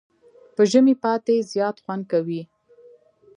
په ژمي پاتی زیات خوند کوي.